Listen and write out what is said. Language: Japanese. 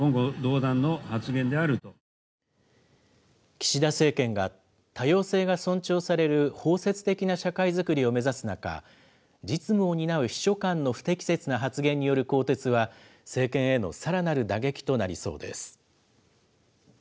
岸田政権が多様性が尊重される包摂的な社会づくりを目指す中、実務を担う秘書官の不適切な発言による更迭は、政権へのさらなる打撃となりそうです。